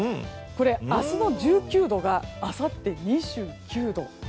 明日の１９度があさっては２９度。